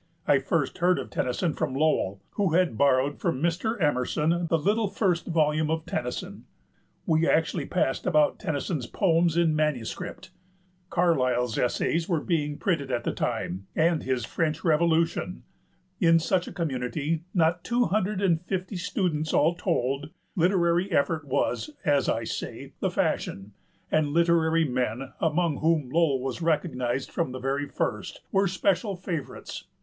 I first heard of Tennyson from Lowell, who had borrowed from Mr. Emerson the little first volume of Tennyson. We actually passed about Tennyson's poems in manuscript. Carlyle's essays were being printed at the time, and his French Revolution. In such a community not two hundred and fifty students all told, literary effort was, as I say, the fashion, and literary men, among whom Lowell was recognized from the very first, were special favorites.